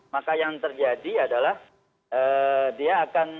maka yang terjadi adalah dia akan